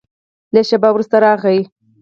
لږ شېبه وروسته راغی.